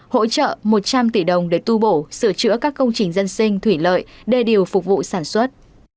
hỗ trợ một trăm linh tỷ đồng để tu bổ sửa chữa các công trình dân sinh thủy lợi đê điều phục vụ sản xuất